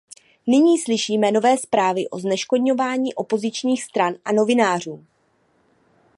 Nyní slyšíme nové zprávy o zneškodňování opozičních stran a novinářů.